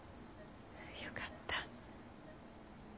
よかった。